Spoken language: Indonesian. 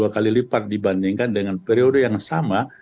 dua kali lipat dibandingkan dengan periode yang sama